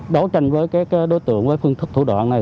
đối tranh với đối tượng với phương thức thủ đoạn này